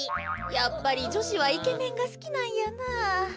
やっぱりじょしはイケメンがすきなんやなあ。